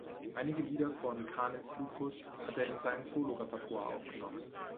Einige Lieder von "Canis Lupus" hat er in sein Solo-Repertoire aufgenommen.